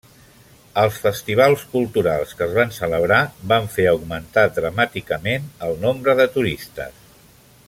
Els festivals culturals que es van celebrar van fer augmentar dramàticament el nombre de turistes.